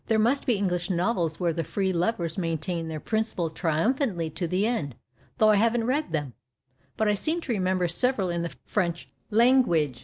There must be English novels where the " free lovers " maintain their principle triumphantly to the end, though I haven't read them ; but I seem to remem ber several in the French language.